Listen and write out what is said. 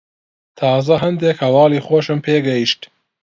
تازە هەندێک هەواڵی خۆشم پێ گەیشت.